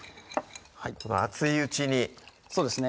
この熱いうちにそうですね